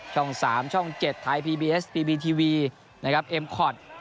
ช่องสามช่องเจ็ดไทยพีบีเอสพีบีทีวีนะครับเอ็มคอร์ด